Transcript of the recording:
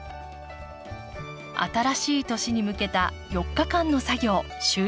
新しい年に向けた４日間の作業終了です。